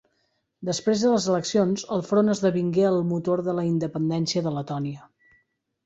Després de les eleccions, el Front esdevingué el motor de la independència de Letònia.